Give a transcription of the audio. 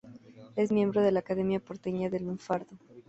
Es miembro de la Academia Porteña del Lunfardo.